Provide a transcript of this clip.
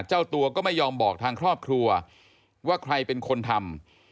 เจ้าตัวก็ไม่ยอมบอกทางครอบครัวว่าใครเป็นคนทำ